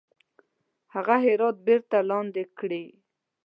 هغه هرات بیرته لاندي کړي.